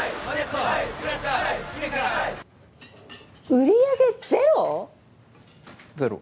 売り上げゼロ？